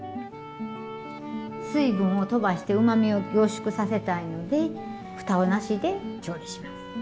水分をとばしてうまみを凝縮させたいのでふたはなしで調理します。